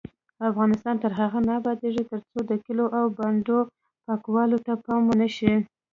افغانستان تر هغو نه ابادیږي، ترڅو د کلیو او بانډو پاکوالي ته پام ونشي.